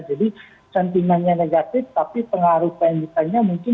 jadi sentimanya negatif tapi pengaruh pendidikannya mungkin